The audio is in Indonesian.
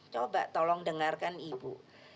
coba tolong dengarkan ibu